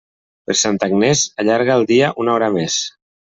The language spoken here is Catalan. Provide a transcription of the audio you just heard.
Per Santa Agnés, allarga el dia una hora més.